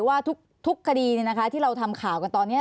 ว่าทุกคดีที่เราทำข่าวกันตอนนี้